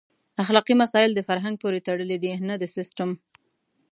اخلاقي مسایل د فرهنګ پورې تړلي دي نه د سیسټم.